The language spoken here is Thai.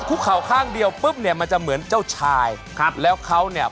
เข่าข้างเดียวปุ๊บเนี่ยมันจะเหมือนเจ้าชายครับแล้วเขาเนี่ย